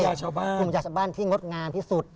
ภูมิญาชาวบ้านภูมิญาชาวบ้านที่งดงานที่สุด